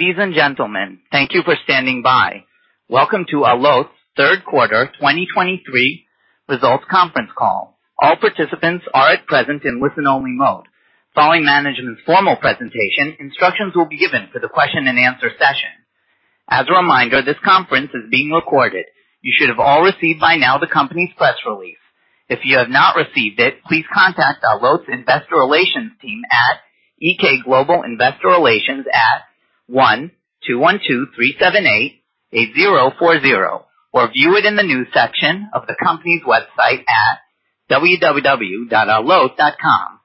Ladies and gentlemen, thank you for standing by. Welcome to Allot's Third Quarter 2023 Results Conference Call. All participants are at present in listen-only mode. Following management's formal presentation, instructions will be given for the question and answer session. As a reminder, this conference is being recorded. You should have all received by now the company's press release. If you have not received it, please contact Allot's Investor Relations team at EK Global Investor Relations at 1-212-378-8040, or view it in the news section of the company's website at www.allot.com.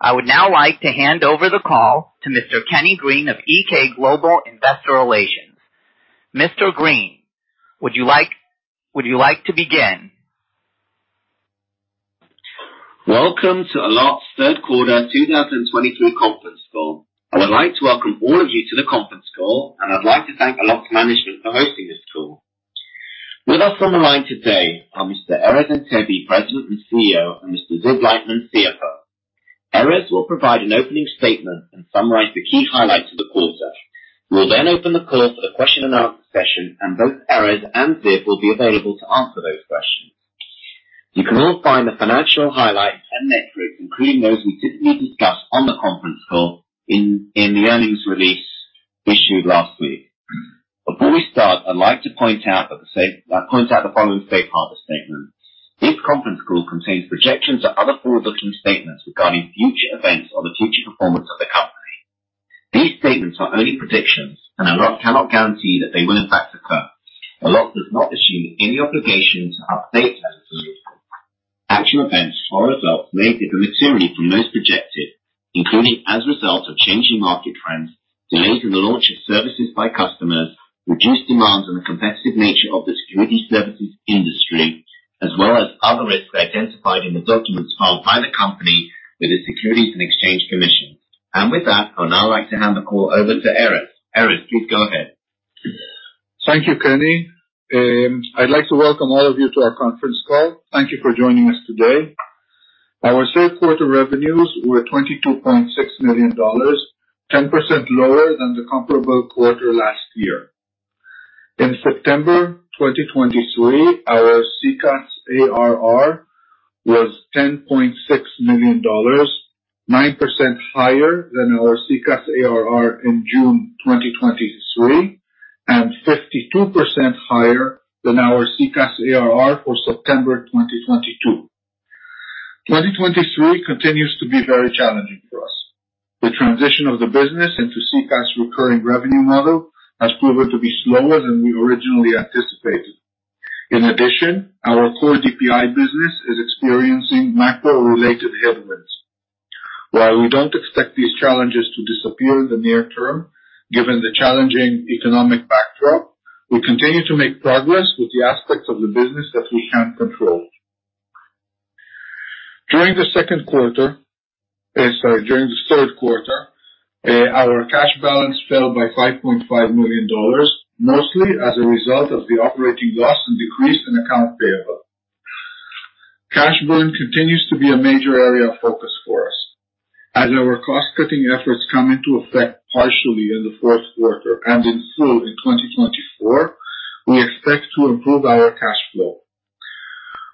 I would now like to hand over the call to Mr. Kenny Green of EK Global Investor Relations. Mr. Green, would you like, would you like to begin? Welcome to Allot's third quarter 2023 conference call. I would like to welcome all of you to the conference call, and I'd like to thank Allot's management for hosting this call. With us on the line today are Mr. Erez Antebi, President and CEO, and Mr. Ziv Leitman, CFO. Erez will provide an opening statement and summarize the key highlights of the quarter. We'll then open the call for the question and answer session, and both Erez and Ziv will be available to answer those questions. You can all find the financial highlights and metrics, including those we typically discuss on the conference call in the earnings release issued last week. Before we start, I'd like to point out the following safe harbor statement. This conference call contains projections and other forward-looking statements regarding future events or the future performance of the company. These statements are only predictions, and Allot cannot guarantee that they will in fact occur. Allot does not assume any obligation to update such statements. Actual events or results may differ materially from those projected, including as a result of changing market trends, delays in the launch of services by customers, reduced demands, and the competitive nature of the security services industry, as well as other risks identified in the documents filed by the company with the Securities and Exchange Commission. With that, I would now like to hand the call over to Erez. Erez, please go ahead. Thank you, Kenny. I'd like to welcome all of you to our conference call. Thank you for joining us today. Our third quarter revenues were $22.6 million, 10% lower than the comparable quarter last year. In September 2023, our SECaaS ARR was $10.6 million, 9% higher than our SECaaS ARR in June 2023, and 52% higher than our SECaaS ARR for September 2022. 2023 continues to be very challenging for us. The transition of the business into SECaaS's recurring revenue model has proven to be slower than we originally anticipated. In addition, our core DPI business is experiencing macro-related headwinds. While we don't expect these challenges to disappear in the near term, given the challenging economic backdrop, we continue to make progress with the aspects of the business that we can control. During the second quarter, during the third quarter, our cash balance fell by $5.5 million, mostly as a result of the operating loss and decrease in accounts payable. Cash burn continues to be a major area of focus for us. As our cost-cutting efforts come into effect partially in the first quarter and in full in 2024, we expect to improve our cash flow.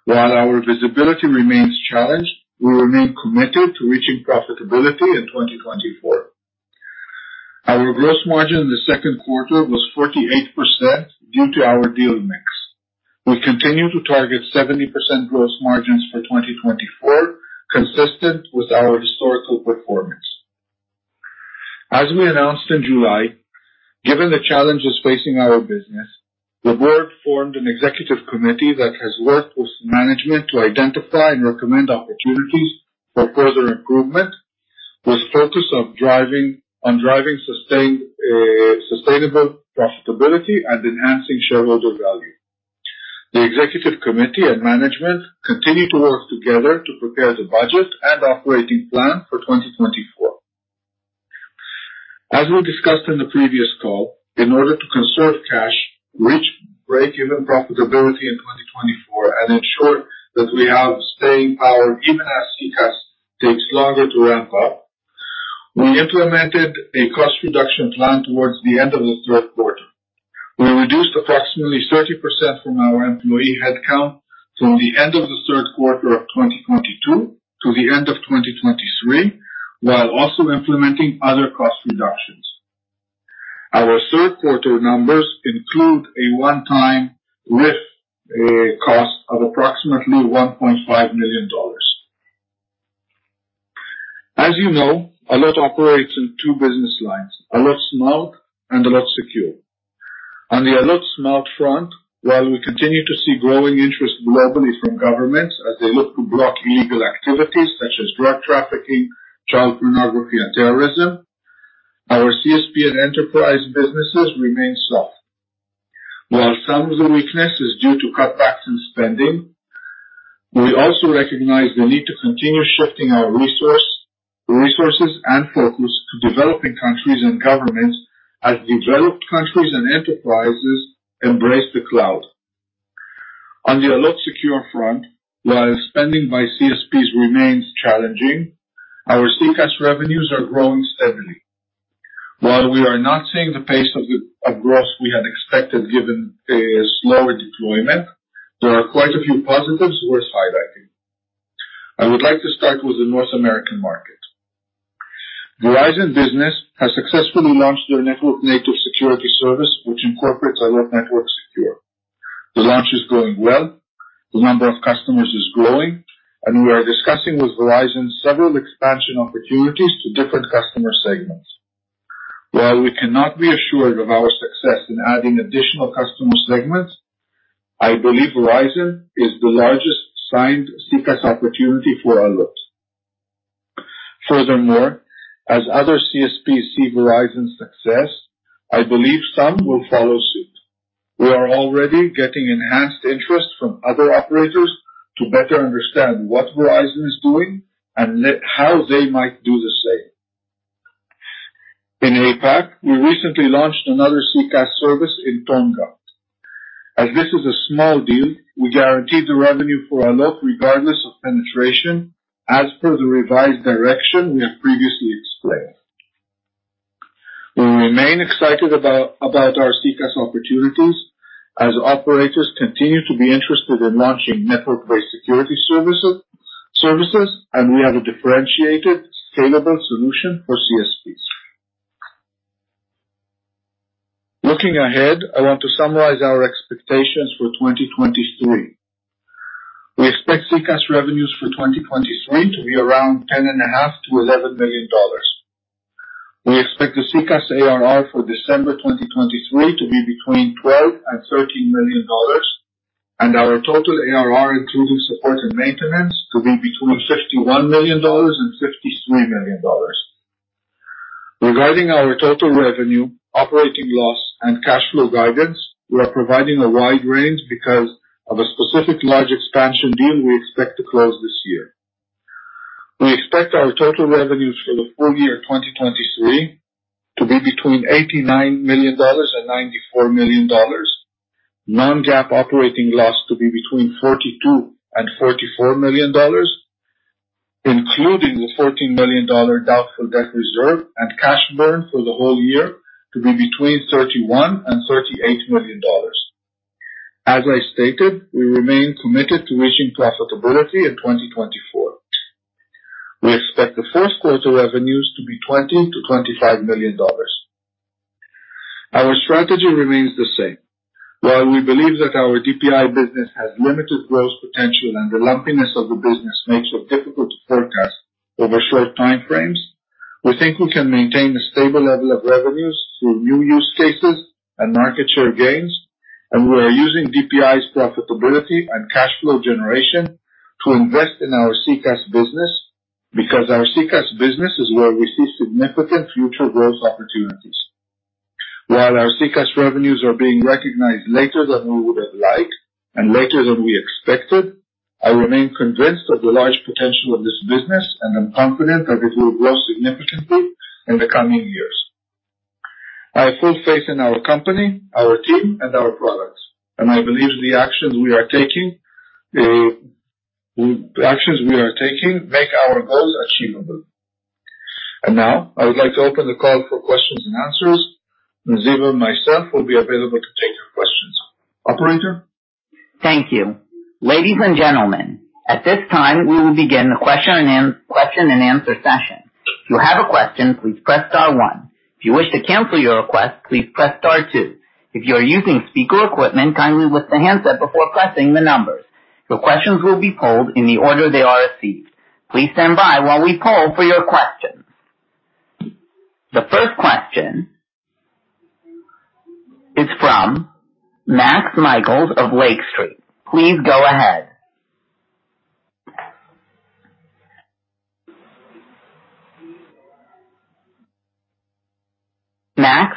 While our visibility remains challenged, we remain committed to reaching profitability in 2024. Our gross margin in the second quarter was 48% due to our deal mix. We continue to target 70% gross margins for 2024, consistent with our historical performance. As we announced in July, given the challenges facing our business, the board formed an executive committee that has worked with management to identify and recommend opportunities for further improvement, with a focus on driving sustainable profitability and enhancing shareholder value. The executive committee and management continue to work together to prepare the budget and operating plan for 2024. As we discussed in the previous call, in order to conserve cash, reach break-even profitability in 2024, and ensure that we have staying power, even as SECaaS takes longer to ramp up, we implemented a cost reduction plan towards the end of the third quarter. We reduced approximately 30% from our employee headcount from the end of the third quarter of 2022 to the end of 2023, while also implementing other cost reductions. Our third quarter numbers include a one-time RIF cost of approximately $1.5 million. As you know, Allot operates in two business lines, Allot Smart and Allot Secure. On the Allot Smart front, while we continue to see growing interest globally from governments as they look to block illegal activities such as drug trafficking, child pornography, and terrorism, our CSP and enterprise businesses remain soft. While some of the weakness is due to cutbacks in spending, we also recognize the need to continue shifting our resources and focus to developing countries and governments as developed countries and enterprises embrace the cloud. On the Allot Secure front, while spending by CSPs remains challenging, our SECaaS revenues are growing steadily. While we are not seeing the pace of growth we had expected, given a slower deployment, there are quite a few positives worth highlighting. I would like to start with the North American market. Verizon Business has successfully launched their network native security service, which incorporates Allot NetworkSecure. The launch is going well. The number of customers is growing, and we are discussing with Verizon several expansion opportunities to different customer segments. While we cannot be assured of our success in adding additional customer segments, I believe Verizon is the largest signed SECaaS opportunity for Allot. Furthermore, as other CSPs see Verizon's success, I believe some will follow suit. We are already getting enhanced interest from other operators to better understand what Verizon is doing and how they might do the same. In APAC, we recently launched another SECaaS service in Tonga. As this is a small deal, we guaranteed the revenue for Allot, regardless of penetration, as per the revised direction we have previously explained. We remain excited about our SECaaS opportunities as operators continue to be interested in launching network-based security services, and we have a differentiated, scalable solution for CSPs. Looking ahead, I want to summarize our expectations for 2023. We expect SECaaS revenues for 2023 to be around $10.5 million-$11 million. We expect the SECaaS ARR for December 2023 to be between $12 million-$13 million, and our total ARR, including support and maintenance, to be between $51 million and $53 million. Regarding our total revenue, operating loss, and cash flow guidance, we are providing a wide range because of a specific large expansion deal we expect to close this year. We expect our total revenues for the full year 2023 to be between $89 million and $94 million. Non-GAAP operating loss to be between $42 million and $44 million, including the $14 million doubtful debt reserve, and cash burn for the whole year to be between $31 million and $38 million. As I stated, we remain committed to reaching profitability in 2024. We expect the first quarter revenues to be $20 million-$25 million. Our strategy remains the same. While we believe that our DPI business has limited growth potential, and the lumpiness of the business makes it difficult to forecast over short time frames, we think we can maintain a stable level of revenues through new use cases and market share gains, and we are using DPI's profitability and cash flow generation to invest in our SECaaS business, because our SECaaS business is where we see significant future growth opportunities. While our SECaaS revenues are being recognized later than we would have liked, and later than we expected, I remain convinced of the large potential of this business, and I'm confident that it will grow significantly in the coming years. I have full faith in our company, our team, and our products, and I believe the actions we are taking make our goals achievable. And now I would like to open the call for questions and answers. Ziv and myself will be available to take your questions. Operator? Thank you. Ladies and gentlemen, at this time, we will begin the question and answer session. If you have a question, please press star one. If you wish to cancel your request, please press star two. If you are using speaker equipment, kindly lift the handset before pressing the numbers. Your questions will be polled in the order they are received. Please stand by while we poll for your questions. The first question is from Max Michaelis of Lake Street. Please go ahead. Max?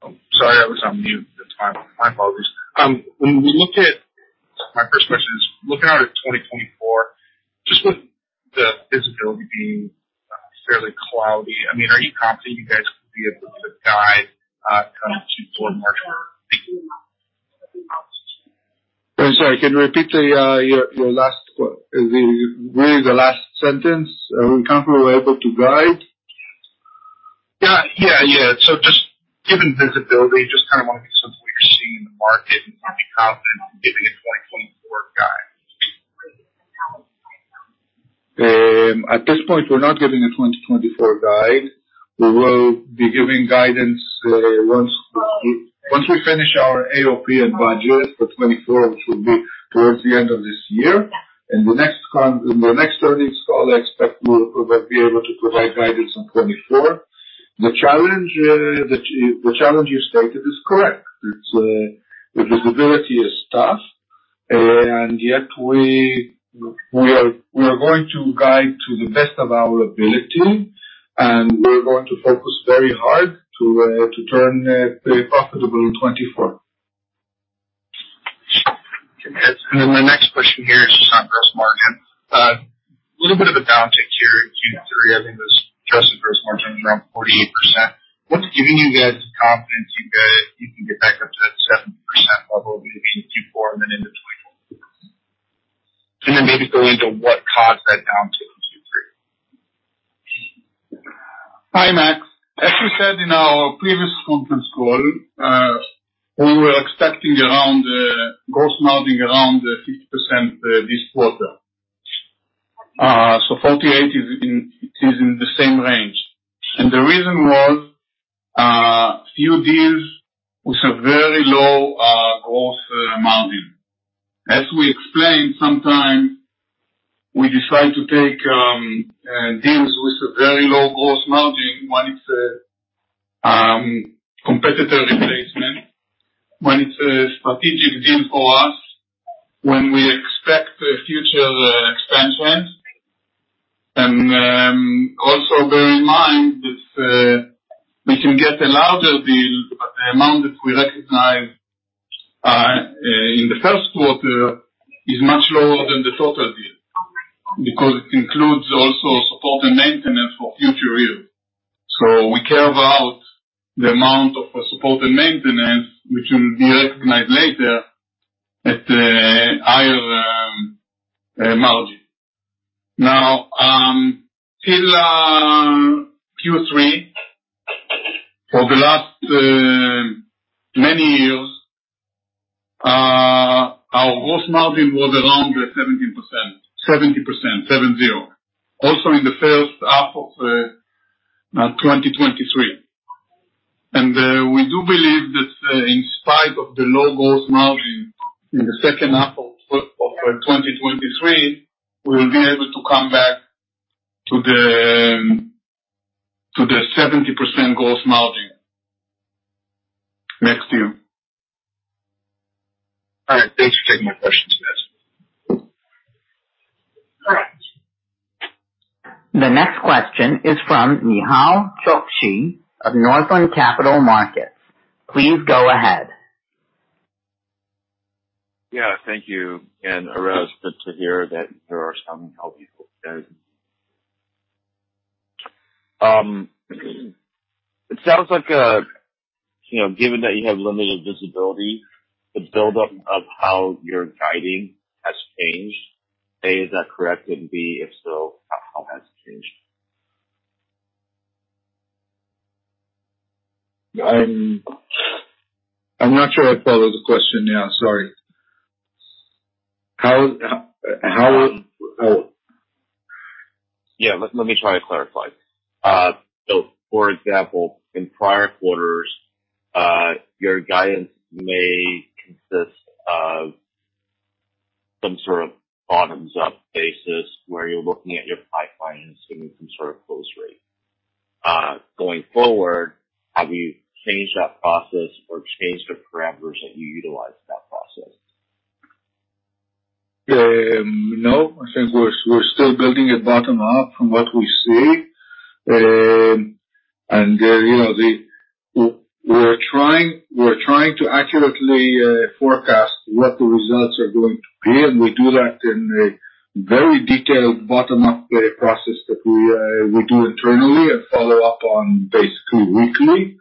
Oh, sorry, I was on mute. That's my apologies. When we look at... My first question is, looking out at 2024, just with the visibility being fairly cloudy, I mean, are you confident you guys will be able to guide, coming to toward March? I'm sorry, can you repeat the, your, your last, the, really the last sentence? Are we comfortable we're able to guide? Yeah. Yeah, yeah. So just given visibility, just kind of want to get sense what you're seeing in the market, and are we confident on giving a 2024 guide? At this point, we're not giving a 2024 guide. We will be giving guidance once we finish our AOP and budget for 2024, which will be towards the end of this year. In the next earnings call, I expect we'll be able to provide guidance on 2024. The challenge you stated is correct. It's the visibility is tough, and yet we are going to guide to the best of our ability, and we're going to focus very hard to turn profitable in 2024.... And then my next question here is just on gross margin. A little bit of a downtick here in Q3, I think it was adjusted gross margin around 48%. What's giving you guys confidence you guys, you can get back up to that 70% level between Q4 and then in between? And then maybe go into what caused that downturn in Q3. Hi, Max. As we said in our previous conference call, we were expecting around, gross margin around 50%, this quarter. So 48 is in, is in the same range. And the reason was, few deals with a very low, gross, margin. As we explained, sometimes we decide to take, deals with a very low gross margin when it's a, competitor replacement, when it's a strategic deal for us, when we expect a future, expansion. And, also bear in mind that, we can get a larger deal, but the amount that we recognize, in the first quarter is much lower than the total deal, because it includes also support and maintenance for future years. So we care about the amount of support and maintenance, which will be recognized later at a higher, margin. Now, till Q3, for the last many years, our gross margin was around 17%... 70%, seven zero. Also in the first half of 2023. And we do believe that in spite of the low gross margin in the second half of 2023, we will be able to come back to the, to the 70% gross margin. Next year. All right. Thanks for taking my questions, guys. All right. The next question is from Nehal Chokshi of Northland Capital Markets. Please go ahead. Yeah, thank you, and pleased to hear that there are some healthy folks there. It sounds like, you know, given that you have limited visibility, the buildup of how you're guiding has changed. A, is that correct? And B, if so, how has it changed? I'm not sure I follow the question now. Sorry. How- Yeah, let me try to clarify. So for example, in prior quarters, your guidance may consist of some sort of bottoms-up basis, where you're looking at your pipeline and assuming some sort of close rate. Going forward, have you changed that process or changed the parameters that you utilize in that process? No. I think we're still building it bottom up from what we see. And, you know, we're trying to accurately forecast what the results are going to be, and we do that in a very detailed bottom-up process that we do internally and follow up on basically weekly.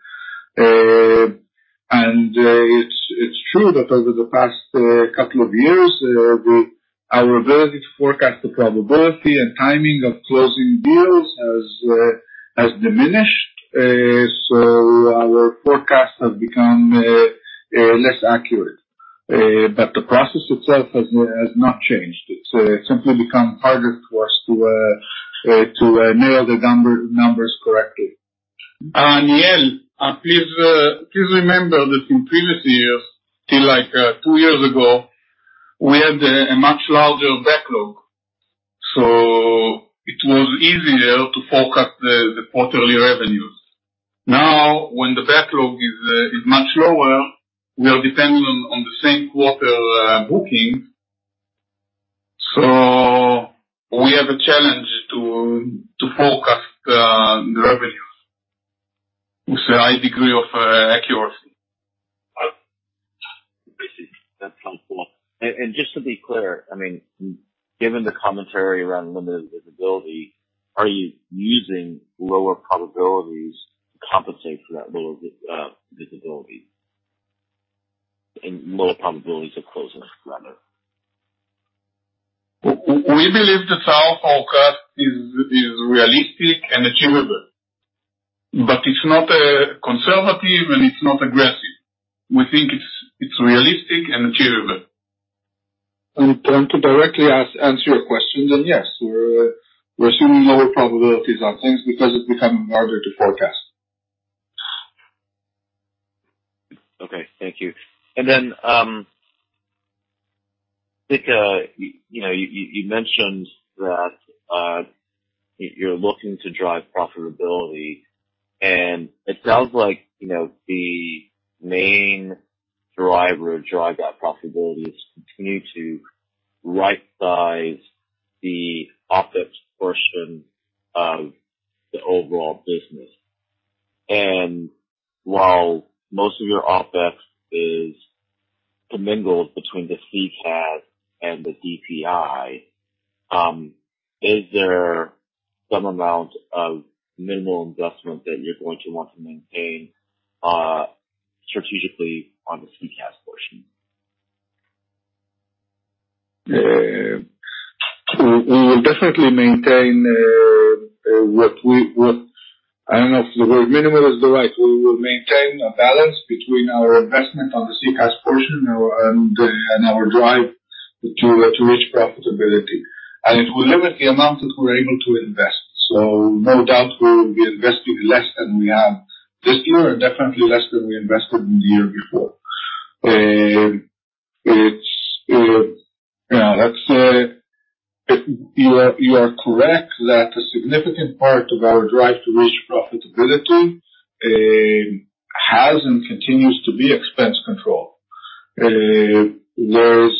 And it's true that over the past couple of years, our ability to forecast the probability and timing of closing deals has diminished, so our forecast has become less accurate. But the process itself has not changed. It's simply become harder for us to nail the numbers correctly. Nehal, please remember that in previous years, till like two years ago, we had a much larger backlog, so it was easier to forecast the quarterly revenues. Now, when the backlog is much lower, we are dependent on the same quarter booking, so we have a challenge to forecast the revenues with a high degree of accuracy. I see. That's helpful. And just to be clear, I mean, given the commentary around limited visibility, are you using lower probabilities to compensate for that lower visibility? And lower probabilities of closing, rather. We believe the sales forecast is realistic and achievable, but it's not conservative and it's not aggressive. We think it's realistic and achievable. And to directly answer your question, then, yes, we're assuming lower probabilities on things because it's becoming harder to forecast. Okay, thank you. And then, I think, you know, you mentioned that you're looking to drive profitability, and it sounds like, you know, the main driver to drive that profitability is continue to rightsize the OpEx portion of the overall business. And while most of your OpEx is commingled between the SECaaS and the DPI, is there some amount of minimal investment that you're going to want to maintain strategically on the SECaaS portion? We will definitely maintain what we—I don't know if the word minimal is the right. We will maintain a balance between our investment on the SECaaS portion and our drive to reach profitability, and it will limit the amount that we're able to invest. So no doubt we will be investing less than we have this year, and definitely less than we invested in the year before. It's, yeah, let's say, you are correct that a significant part of our drive to reach profitability has and continues to be expense control. There's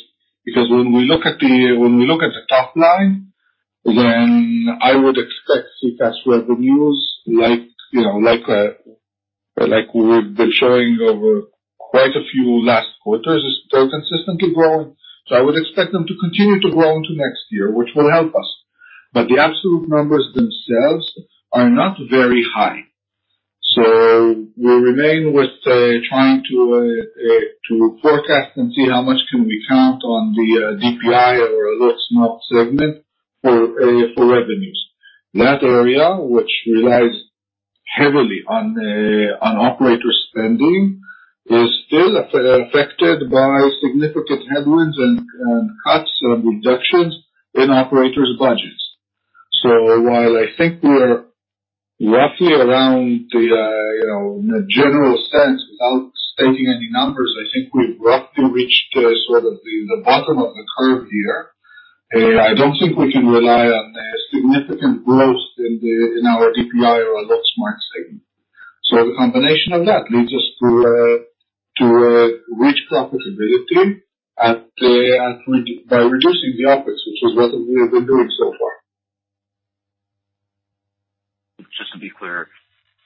because when we look at the top line, then I would expect SECaaS revenues, like, you know, like, like we've been showing over quite a few last quarters, they're consistently growing. So I would expect them to continue to grow into next year, which will help us. But the absolute numbers themselves are not very high. So we remain with trying to forecast and see how much can we count on the DPI or Allot Smart segment for revenues. That area, which relies heavily on operator spending, is still affected by significant headwinds and cuts and reductions in operators' budgets. So while I think we are roughly around the you know, in a general sense, without stating any numbers, I think we've roughly reached the sort of the bottom of the curve here. I don't think we can rely on a significant growth in our DPI or Allot Smart segment. So the combination of that leads us to reach profitability by reducing the OpEx, which is what we have been doing so far. Just to be clear,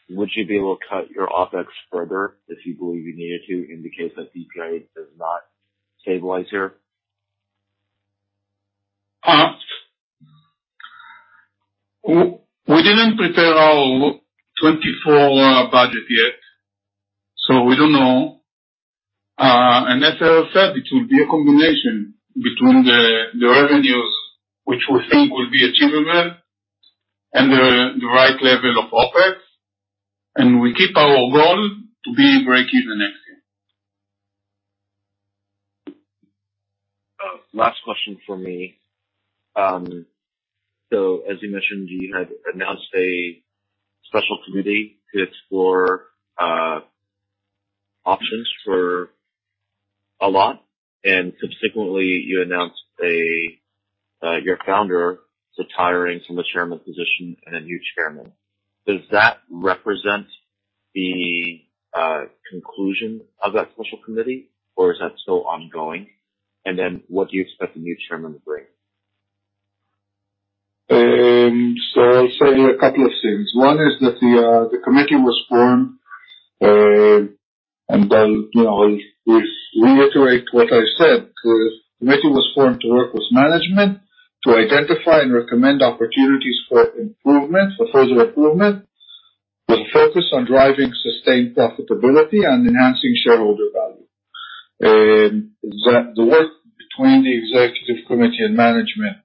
would you be able to cut your OpEx further if you believe you needed to, in the case that DPI does not stabilize here? We didn't prepare our 2024 budget yet, so we don't know. As I said, it will be a combination between the revenues, which we think will be achievable, and the right level of OpEx, and we keep our goal to be breakeven next year. Last question for me. So as you mentioned, you had announced a special committee to explore options for Allot, and subsequently, you announced your founder retiring from the chairman position and a new chairman. Does that represent the conclusion of that special committee, or is that still ongoing? And then what do you expect the new chairman to bring? So I'll say a couple of things. One is that the committee was formed, and I'll, you know, I'll reiterate what I said. The committee was formed to work with management to identify and recommend opportunities for improvement, for further improvement, with a focus on driving sustained profitability and enhancing shareholder value. The work between the executive committee and management,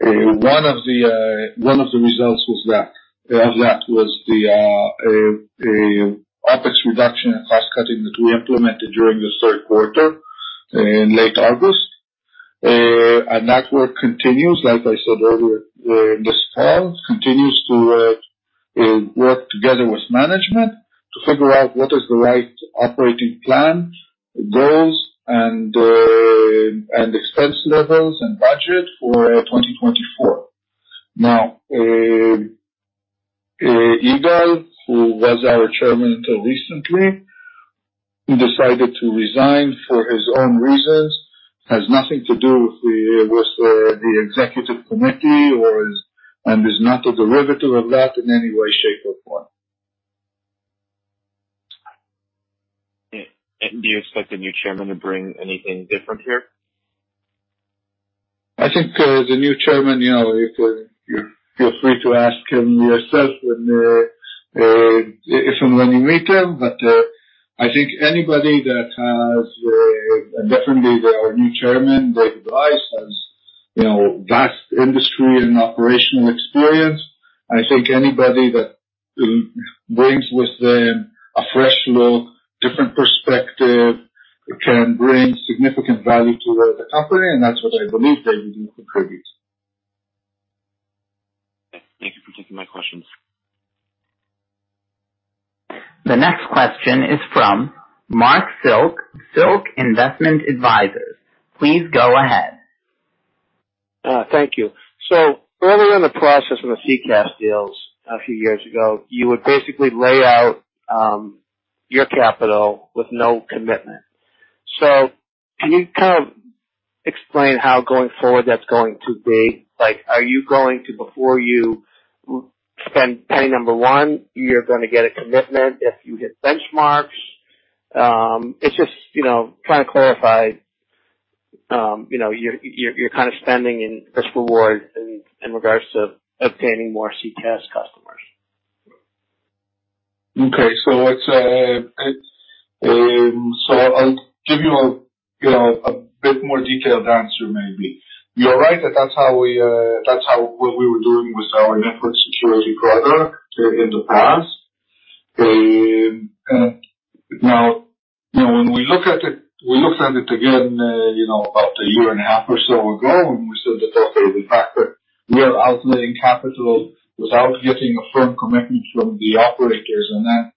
one of the results was that, of that was the OpEx reduction and cost cutting that we implemented during the third quarter, in late August. And that work continues, like I said earlier, this fall, continues to work together with management to figure out what is the right operating plan, goals, and and expense levels and budget for 2024. Now, Yigal, who was our chairman until recently, he decided to resign for his own reasons, has nothing to do with the executive committee and is not a derivative of that in any way, shape, or form. Do you expect the new chairman to bring anything different here? I think, the new chairman, you know, you can feel free to ask him yourself when, if and when you meet him. But, I think anybody that has, and definitely our new chairman, David Reis, has, you know, vast industry and operational experience. I think anybody that brings with them a fresh look, different perspective, can bring significant value to the, the company, and that's what I believe they will contribute. Thank you for taking my questions. The next question is from Marc Silk, Silk Investment Advisors. Please go ahead. Thank you. So earlier in the process, when the SECaaS deals a few years ago, you would basically lay out your capital with no commitment. So can you kind of...... explain how going forward that's going to be. Like, are you going to, before you spend penny number one, you're going to get a commitment if you hit benchmarks? It's just, you know, trying to clarify, you know, you're kind of spending in risk-reward in regards to obtaining more CSPs customers. Okay. So I'll give you a, you know, a bit more detailed answer maybe. You're right, that that's how we, that's how what we were doing with our network security product, in the past. Now, you know, when we look at it, we looked at it again, you know, about a year and a half or so ago, and we said that, okay, the fact that we are outlaying capital without getting a firm commitment from the operators, and then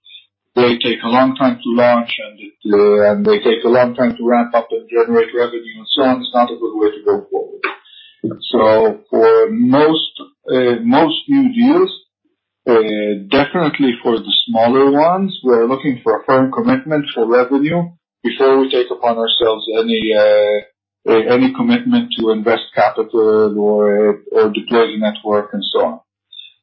they take a long time to launch, and, and they take a long time to ramp up and generate revenue and so on, it's not a good way to go forward. So for most, most new deals, definitely for the smaller ones, we're looking for a firm commitment for revenue before we take upon ourselves any, any commitment to invest capital or, or deploy the network and so on.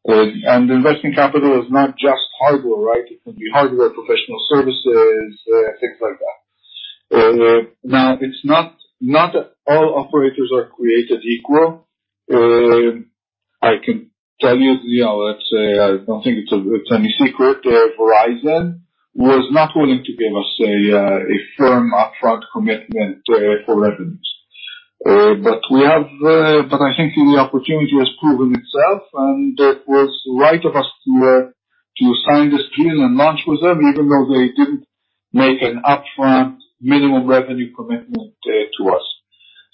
And investing capital is not just hardware, right? It can be hardware, professional services, things like that. Now, it's not, not all operators are created equal. I can tell you, you know, let's say, I don't think it's, it's any secret. Verizon was not willing to give us a, a firm upfront commitment, for revenues. But we have, but I think the opportunity has proven itself, and it was right of us to, to sign this deal and launch with them, even though they didn't make an upfront minimum revenue commitment, to us.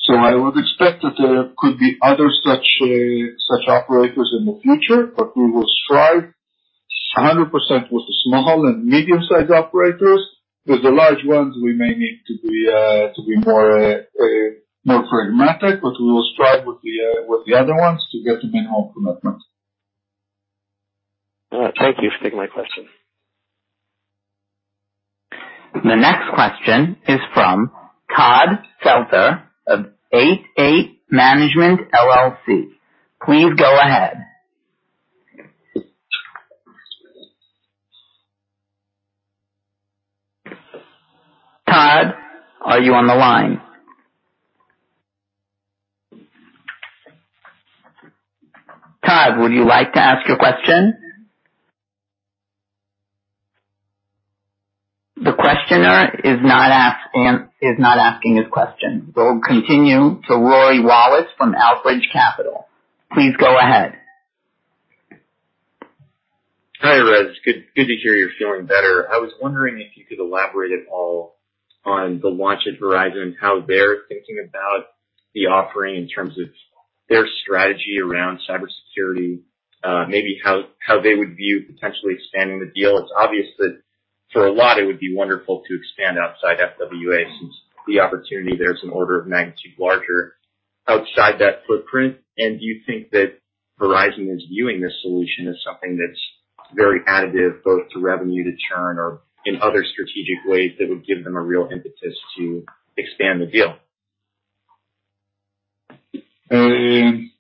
So I would expect that there could be other such such operators in the future, but we will strive 100% with the small and medium-sized operators. With the large ones, we may need to be to be more more pragmatic, but we will strive with the with the other ones to get a commitment. All right. Thank you for taking my question. The next question is from Todd Seltzer of 88 Management, LLC. Please go ahead. Todd, are you on the line? Todd, would you like to ask your question? The questioner is not asking his question. We'll continue to Rory Wallace from Outerbridge Capital. Please go ahead. Hi, Erez. Good, good to hear you're feeling better. I was wondering if you could elaborate at all on the launch at Verizon, how they're thinking about the offering in terms of their strategy around cybersecurity, maybe how they would view potentially expanding the deal. It's obvious that for Allot, it would be wonderful to expand outside FWA since the opportunity there is an order of magnitude larger outside that footprint. And do you think that Verizon is viewing this solution as something that's very additive, both to revenue, to churn, or in other strategic ways that would give them a real impetus to expand the deal? Okay.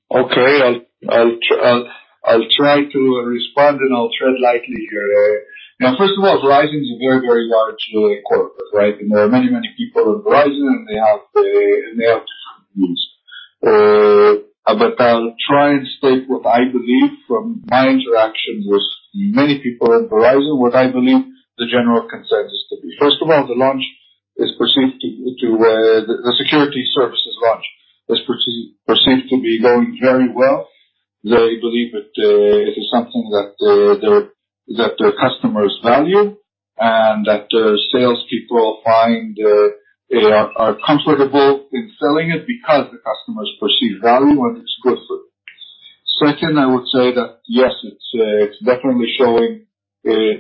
I'll try to respond, and I'll tread lightly here. Now, first of all, Verizon is a very, very large corporation, right? And there are many, many people in Verizon, and they have different views. But I'll try and state what I believe from my interaction with many people at Verizon, what I believe the general consensus to be. First of all, the security services launch is perceived to be going very well. They believe it is something that their customers value, and that salespeople find are comfortable in selling it because the customers perceive value, and it's good for them. Second, I would say that, yes, it's definitely showing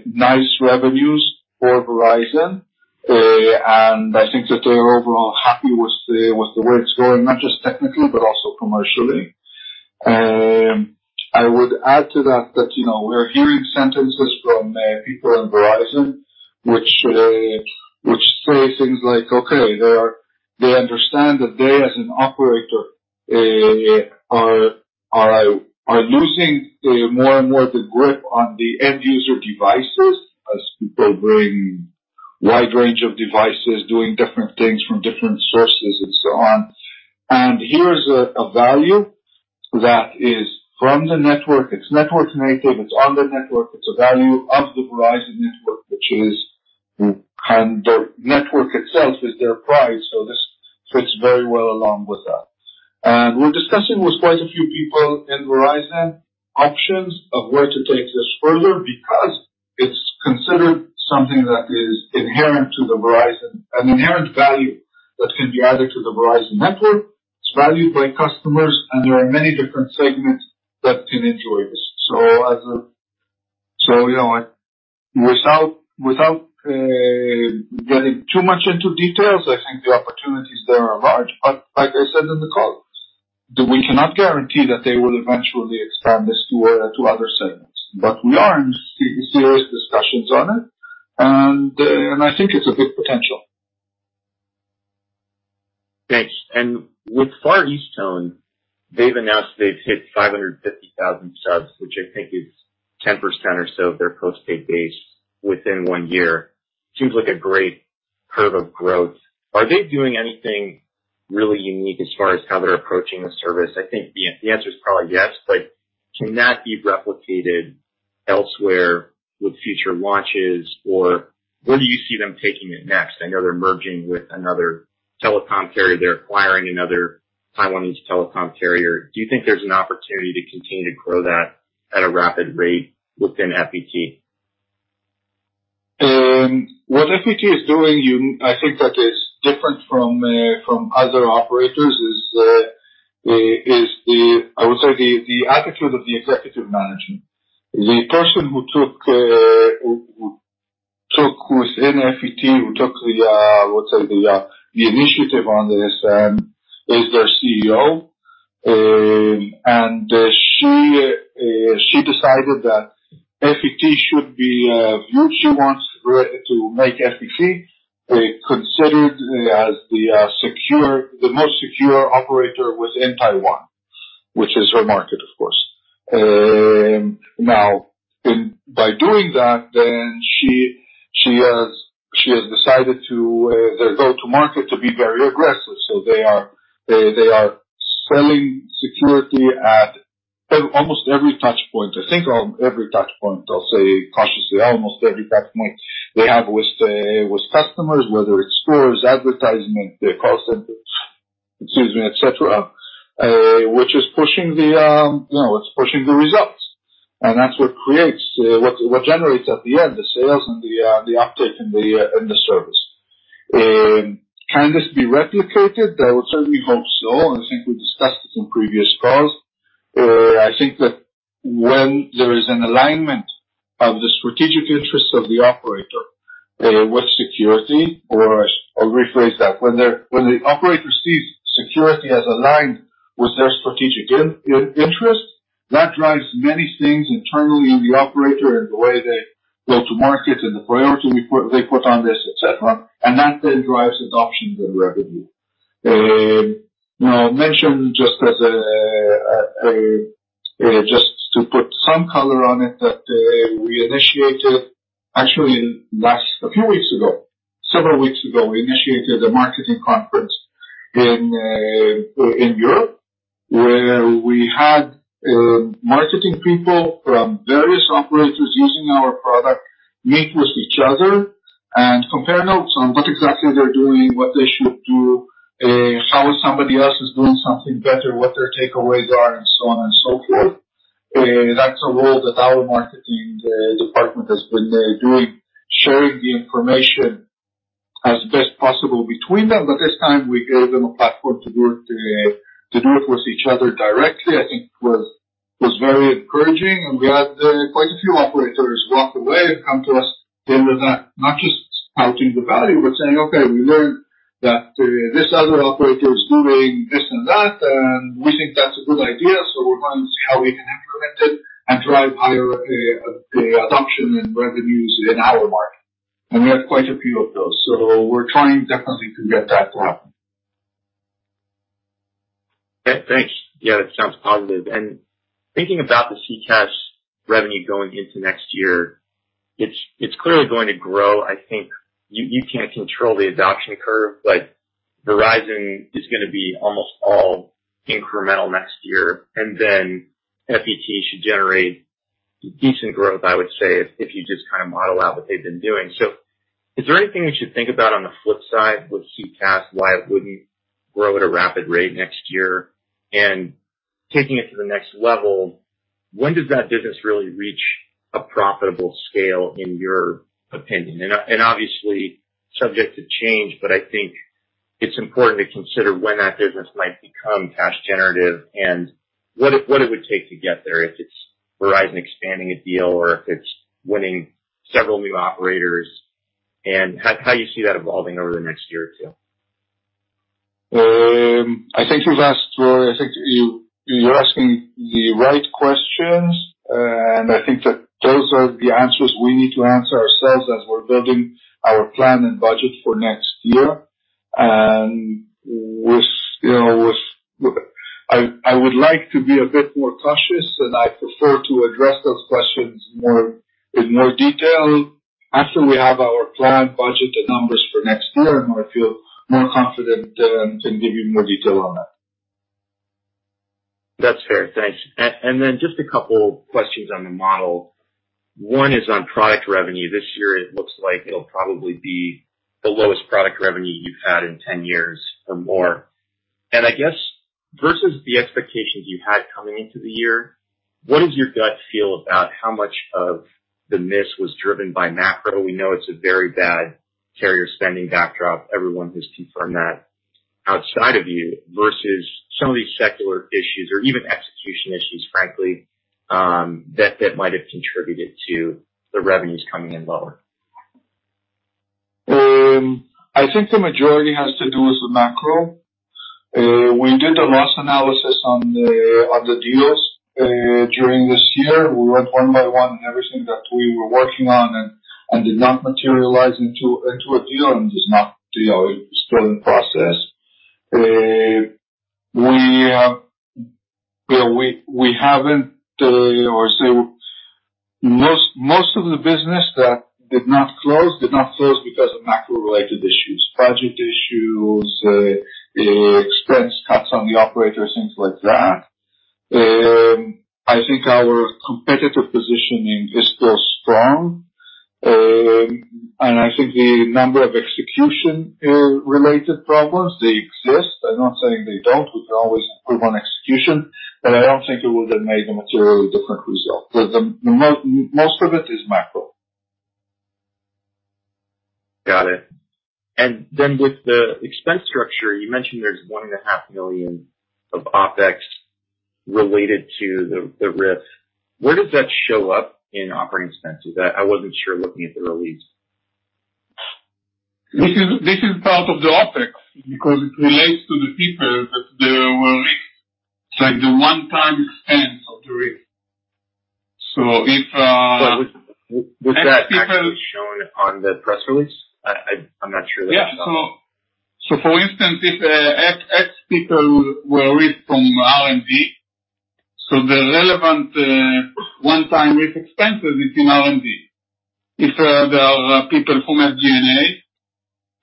nice revenues for Verizon, and I think that they're overall happy with the way it's going, not just technically, but also commercially. I would add to that that, you know, we're hearing sentiments from people in Verizon, which say things like, okay, they are. They understand that they as an operator are losing more and more the grip on the end user devices as people bring wide range of devices, doing different things from different sources and so on. And here's a value that is from the network. It's network native, it's on the network. It's a value of the Verizon network, which is, and the network itself is their pride, so this fits very well along with that. And we're discussing with quite a few people in Verizon options of where to take this further, because it's considered something that is inherent to the Verizon... an inherent value that can be added to the Verizon network. It's valued by customers, and there are many different segments that can enjoy this. So, you know, without getting too much into details, I think the opportunities there are large, but like I said in the call. So we cannot guarantee that they will eventually expand this to other segments, but we are in serious discussions on it, and, and I think it's a good potential. Thanks. And with Far EasTone, they've announced they've hit 550,000 subs, which I think is 10% or so of their post-paid base within one year. Seems like a great curve of growth. Are they doing anything really unique as far as how they're approaching the service? I think the answer is probably yes, but can that be replicated elsewhere with future launches, or where do you see them taking it next? I know they're merging with another telecom carrier. They're acquiring another Taiwanese telecom carrier. Do you think there's an opportunity to continue to grow that at a rapid rate within FET? What FET is doing, you, I think that is different from other operators is the... I would say, the attitude of the executive management. The person who took who is in FET who took the, let's say, the initiative on this is their CEO. And she, she decided that FET should be, she wants to make FET considered as the most secure operator within Taiwan, which is her market, of course. Now, by doing that, then she has decided to their go-to-market to be very aggressive. So they are selling security at almost every touch point. I think on every touch point, I'll say cautiously, almost every touch point they have with, with customers, whether it's stores, advertisement, their call centers, excuse me, et cetera, which is pushing the, you know, it's pushing the results. And that's what creates, what, what generates at the end, the sales and the, the uptake in the, in the service. Can this be replicated? I would certainly hope so, and I think we discussed this in previous calls. I think that when there is an alignment of the strategic interests of the operator, with security, or I'll rephrase that. When the operator sees security as aligned with their strategic interest, that drives many things internally in the operator and the way they go to market and the priority we put, they put on this, et cetera, and that then drives adoption and revenue. Now, I mentioned just as a, a, just to put some color on it, that we initiated actually a few weeks ago, several weeks ago, we initiated a marketing conference in Europe, where we had marketing people from various operators using our product meet with each other and compare notes on what exactly they're doing, what they should do, how somebody else is doing something better, what their takeaways are, and so on and so forth. That's a role that our marketing department has been doing, sharing the information as best possible between them, but this time, we gave them a platform to do it with each other directly. I think it was very encouraging, and we had quite a few operators walk away and come to us at the end of that, not just touting the value, but saying, "Okay, we learned that this other operator is doing this and that, and we think that's a good idea, so we're going to see how we can implement it and drive higher adoption and revenues in our market." We have quite a few of those, so we're trying definitely to get that to happen. Yeah, thanks. Yeah, that sounds positive. And thinking about the SECaaS revenue going into next year, it's, it's clearly going to grow. I think you, you can't control the adoption curve, but Verizon is gonna be almost all incremental next year, and then FET should generate decent growth, I would say, if, if you just kinda model out what they've been doing. So is there anything we should think about on the flip side with SECaaS, why it wouldn't grow at a rapid rate next year? And taking it to the next level, when does that business really reach a profitable scale in your opinion? And obviously, subject to change, but I think it's important to consider when that business might become cash generative and what it would take to get there, if it's Verizon expanding a deal or if it's winning several new operators, and how you see that evolving over the next year or two. I think you've asked, I think you're asking the right questions, and I think that those are the answers we need to answer ourselves as we're building our plan and budget for next year. With, you know, with... I would like to be a bit more cautious, and I prefer to address those questions more, in more detail after we have our plan, budget, and numbers for next year, and I feel more confident, and can give you more detail on that. That's fair. Thanks. And then just a couple questions on the model. One is on product revenue. This year it looks like it'll probably be the lowest product revenue you've had in 10 years or more. And I guess versus the expectations you had coming into the year, what does your gut feel about how much of the miss was driven by macro? We know it's a very bad carrier spending backdrop. Everyone has confirmed that outside of you, versus some of these secular issues or even execution issues, frankly, that might have contributed to the revenues coming in lower.... I think the majority has to do with the macro. We did a loss analysis on the deals during this year. We went one by one, and everything that we were working on and did not materialize into a deal, and it is not, you know, still in process. We haven't, or say most of the business that did not close, did not close because of macro-related issues, budget issues, expense cuts on the operators, things like that. I think our competitive positioning is still strong. And I think the number of execution related problems, they exist. I'm not saying they don't. We can always improve on execution, but I don't think it would have made a materially different result. The most of it is macro. Got it. And then with the expense structure, you mentioned there's $1.5 million of OpEx related to the RIF. Where does that show up in operating expenses? I wasn't sure looking at the release. This is, this is part of the OpEx because it relates to the people that there were RIFed. It's like the one-time expense of the RIF. So if- Was that actually shown on the press release? I, I'm not sure. Yeah. So for instance, if X, X people were RIFed from R&D, the relevant one-time RIF expense is in R&D. If there are people from G&A,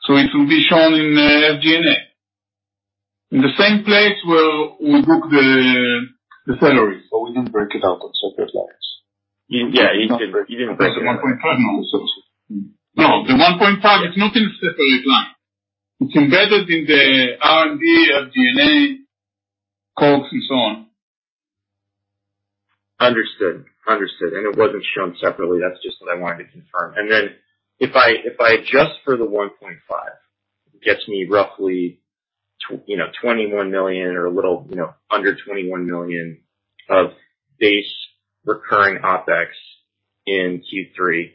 it will be shown in G&A. In the same place where we book the salaries. But we don't break it out on separate lines. Yeah, you didn't break it out. 1.5 on the sources. No, the 1.5 is not in separate line. It's embedded in the R&D, SG&A, COGS, and so on. Understood. Understood. It wasn't shown separately. That's just what I wanted to confirm. Then, if I adjust for the 1.5, it gets me roughly you know, $21 million or a little, you know, under $21 million of base recurring OpEx in Q3.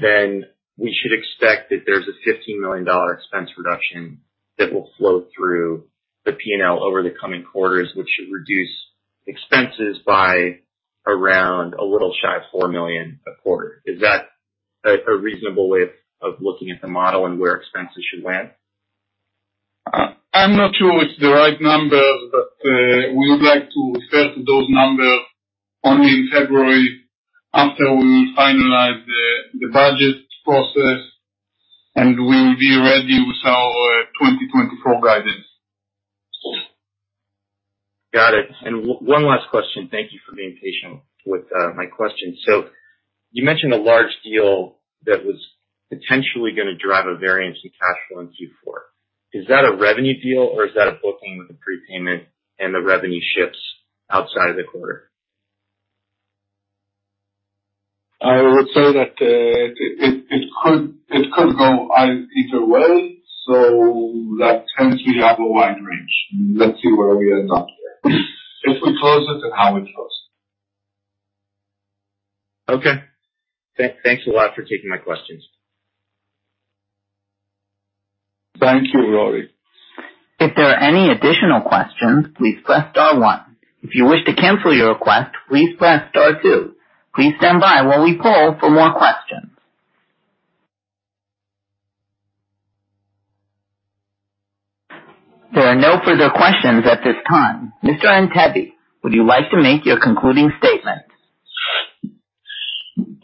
Then we should expect that there's a $15 million expense reduction that will flow through the P&L over the coming quarters, which should reduce expenses by around a little shy of $4 million a quarter. Is that a reasonable way of looking at the model and where expenses should land? I'm not sure it's the right number, but we would like to refer to those numbers only in February, after we finalize the budget process, and we will be ready with our 2024 guidance. Got it. And one last question. Thank you for being patient with my question. So you mentioned a large deal that was potentially gonna drive a variance in cash flow in Q4. Is that a revenue deal, or is that a booking with a prepayment and the revenue shifts outside of the quarter? I would say that it could go either way, so that tends to have a wide range. Let's see where we end up there. If we close it and how it closes. Okay. Thanks a lot for taking my questions. Thank you, Rory. If there are any additional questions, please press star one. If you wish to cancel your request, please press star two. Please stand by while we poll for more questions. There are no further questions at this time. Mr. Antebi, would you like to make your concluding statement?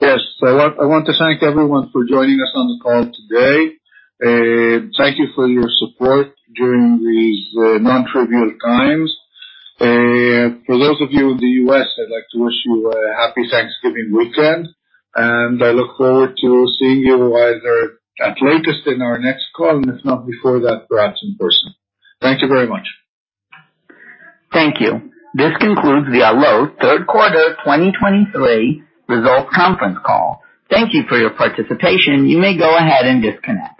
Yes. I want, I want to thank everyone for joining us on the call today. Thank you for your support during these, nontrivial times. For those of you in the U.S., I'd like to wish you a happy Thanksgiving weekend, and I look forward to seeing you either at latest in our next call, and if not before that, perhaps in person. Thank you very much. Thank you. This concludes the Allot Third Quarter 2023 Results Conference Call. Thank you for your participation. You may go ahead and disconnect.